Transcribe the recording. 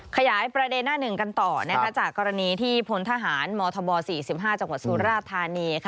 ขยายประเด็นหน้าหนึ่งกันต่อจากกรณีที่พลทหารมธบ๔๕จังหวัดสุราธานี